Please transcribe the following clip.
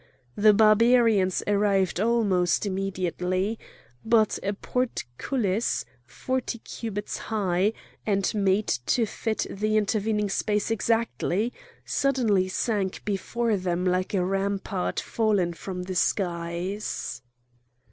The Barbarians arrived almost immediately. But a portcullis, forty cubits high, and made to fit the intervening space exactly, suddenly sank before them like a rampart fallen from the skies.